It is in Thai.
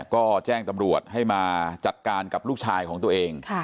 ก็แจ้งตำรวจให้มาจัดการกับลูกชายของตัวเอง